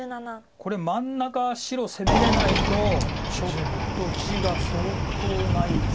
これ真ん中白攻めれないとちょっと地が相当ないです。